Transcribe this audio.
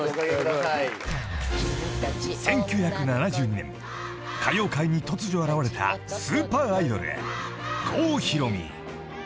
［１９７２年歌謡界に突如現れたスーパーアイドル郷ひろみ］